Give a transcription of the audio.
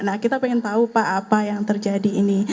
nah kita ingin tahu pak apa yang terjadi ini